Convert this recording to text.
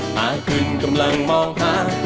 หากคุณกำลังมองหา